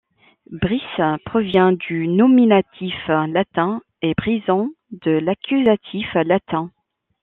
Brice provient du nominatif latin et Brisson de l’accusatif latin.